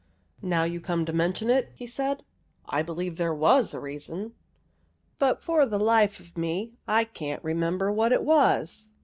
" Now you come to mention it/' he said, " I believe there was a reason, but for the life of me I can't remember what it was.